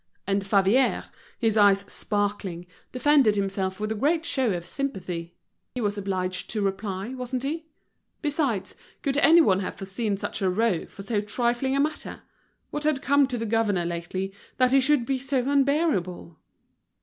And Favier, his eye sparkling, defended himself with a great show of sympathy. He was obliged to reply, wasn't he? Besides, could anyone have foreseen such a row for so trifling a matter? What had come to the governor lately, that he should be so unbearable?